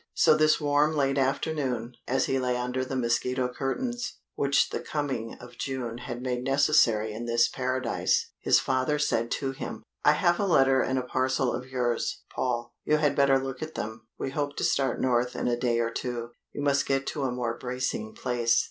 So this warm late afternoon, as he lay under the mosquito curtains which the coming of June had made necessary in this paradise his father said to him: "I have a letter and a parcel of yours, Paul: you had better look at them we hope to start north in a day or two you must get to a more bracing place."